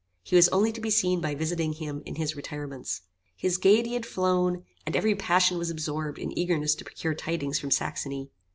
He was only to be seen by visiting him in his retirements. His gaiety had flown, and every passion was absorbed in eagerness to procure tidings from Saxony.